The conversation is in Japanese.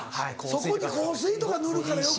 そこに香水とか塗るから余計。